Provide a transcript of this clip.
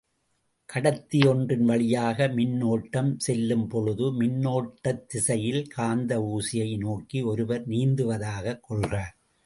கடத்தி ஒன்றின் வழியாக மின்னோட்டம் செல்லும் பொழுது, மின்னோட்டத்திசையில் காந்த ஊசியை நோக்கி ஒருவர் நீந்துவதாகக் கொள்க.